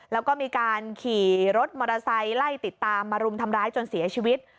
แล้วก็มีการขี่รถมอเตอร์ไซค์ไล่ติดตามมารุมทำร้ายจนเสียชีวิต